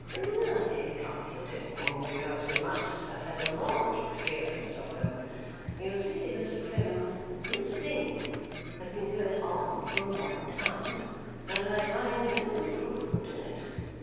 'Really comforting, because you must have had a large experience of them. You see, Mr Clennam, this thing has been going on for a long time, and I find no improvement in it.